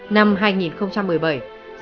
cảm ơn các bạn đã theo dõi và hẹn gặp lại